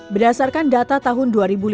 berdasarkan data tahun dua ribu lima belas